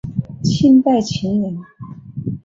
清代琴人。